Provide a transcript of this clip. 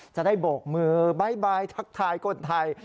จะได้โบกมือบ๊ายบายทักทายคนไทย